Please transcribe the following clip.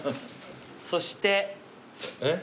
そして。えっ？